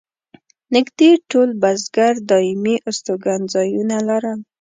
نږدې ټول بزګر دایمي استوګن ځایونه لرل.